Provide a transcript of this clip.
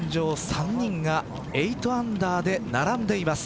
３人が８アンダーで並んでいます。